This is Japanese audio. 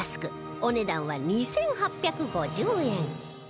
お値段は２８５０円